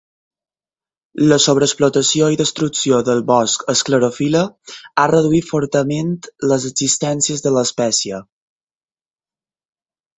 La sobreexplotació i destrucció del bosc esclerofil·le ha reduït fortament les existències de l'espècie.